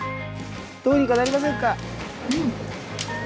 どうにかなりませんか。